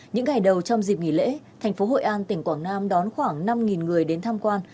những ngày đầu trong dịp nghỉ lễ thành phố hội an tỉnh quảng nam đón khoảng năm người đến tham quan